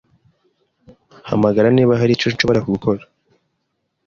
Hamagara niba hari icyo nshobora gukora.